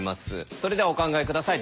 それではお考え下さい。